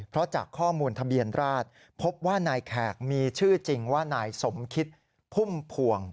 เพราะจากข้อมูลทะเบียนราชพบว่านายแขกมีชื่อจริงว่านายสมคิดพุ่มพวง